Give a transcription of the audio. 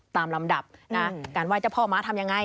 ตามลำดับนะการไห้เจ้าพ่อม้าทำยังไง